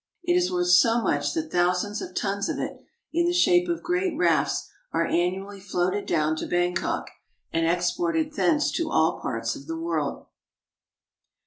It is worth so much that thousands of tons of it, in the shape of great rafts, are annually floated down to Bangkok, and exported thence to all parts of the world.